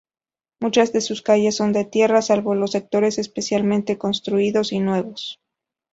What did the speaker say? Muchas de sus calles son de tierra, salvo los sectores especialmente construidos y nuevos.